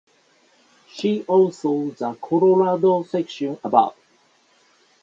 See also the "Colorado" section, above.